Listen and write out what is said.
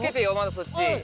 そっち。